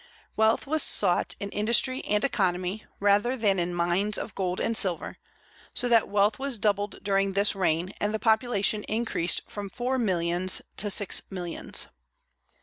Wealth was sought in industry and economy, rather than in mines of gold and silver; so that wealth was doubled during this reign, and the population increased from four millions to six millions.